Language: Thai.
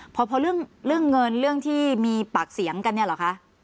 พอเรื่องเงินเรื่องที่มีปากเสียงกันเนี่ยเหรอคะ